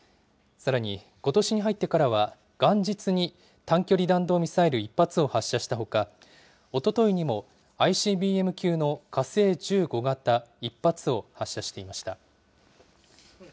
さらに、ことしに入ってからは、元日に短距離弾道ミサイル１発を発射したほか、おとといにもＩＣＢＭ級の火星１５型１発を発射していました。